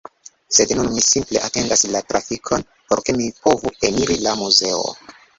Sed nun mi simple atendas la trafikon por ke mi povu eniri la muzeo